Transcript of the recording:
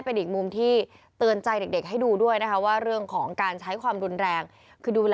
แล้วเด็กก็ตัวเล็ก